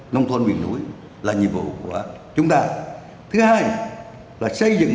nông thôn miền núi là nhiệm vụ của chúng ta thứ hai là xây dựng